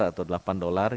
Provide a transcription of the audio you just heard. nah kita lihat di sini